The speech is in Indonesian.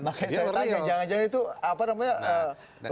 makanya saya tanya jangan jangan itu apa namanya